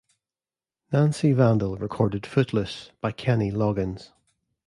Nancy Vandal recorded "Footloose" by Kenny Loggins.